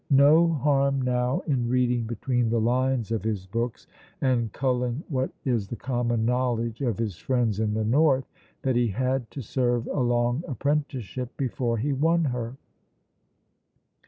No harm now in reading between the lines of his books and culling what is the common knowledge of his friends in the north, that he had to serve a long apprenticeship before he won her.